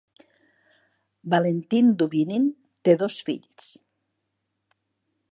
Valentin Dubinin té dos fills.